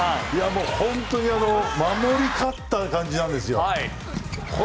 本当に守り勝った感じなんです